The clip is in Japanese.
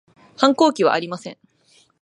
反抗期はありません